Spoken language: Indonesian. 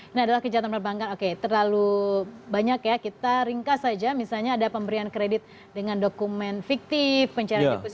ini adalah kejahatan perbankan oke terlalu banyak ya kita ringkas saja misalnya ada pemberian kredit dengan dokumen fiktif pencarian